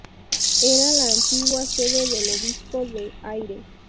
Era la antigua sede del obispo de Aire.